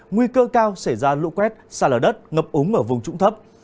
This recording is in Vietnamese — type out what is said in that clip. nguy cơ cao xảy ra lũ quét sả lở đất ngập úng ở vùng trũng thấp